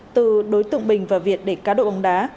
từ đối tượng bình và việt để cá độ bóng đá